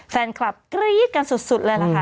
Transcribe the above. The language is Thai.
แฟนคลับกรี๊ดกันสุดเลยล่ะค่ะ